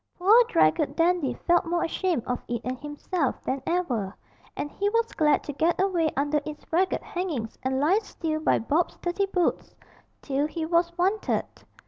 Poor draggled Dandy felt more ashamed of it and himself than ever, and he was glad to get away under its ragged hangings and lie still by Bob's dirty boots till he was wanted.